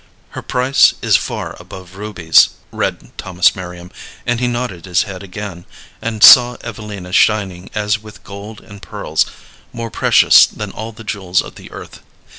"Her price is far above rubies," read Thomas Merriam, and he nodded his head again, and saw Evelina shining as with gold and pearls, more precious than all the jewels of the earth.